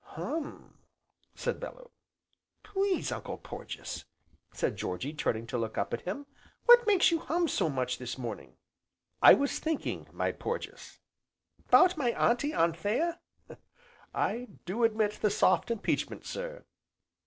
"Hum!" said Bellew. "Please Uncle Porges," said Georgy, turning to look up at him, "what makes you hum so much this morning?" "I was thinking, my Porges." "'Bout my Auntie Anthea?" "I do admit the soft impeachment, sir."